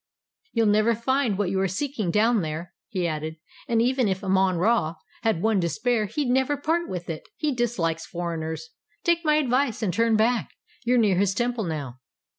"You'll never find what you are seeking down there," he added; "and even if Amon Ra had one to spare he'd never part with it. He dislikes foreigners. Take my advice and turn back. You're near his temple now."